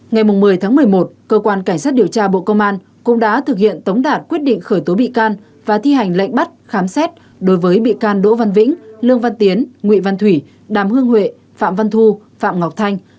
ngày một mươi một mươi một cơ quan cảnh sát điều tra bộ công an cũng đã thực hiện tống đạt quyết định khởi tố bị can và thi hành lệnh bắt khám xét đối với bị can đỗ văn vĩnh lương văn tiến nguyễn văn thủy đàm hương huệ phạm văn thu phạm ngọc thanh